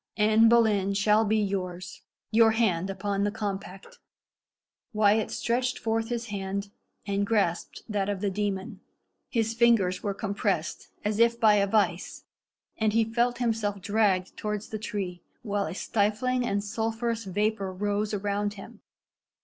"Anne Boleyn shall be yours. Your hand upon the compact." Wyat stretched forth his hand, and grasped that of the demon. His fingers were compressed as if by a vice, and he felt himself dragged towards the tree, while a stifling and sulphurous vapour rose around him.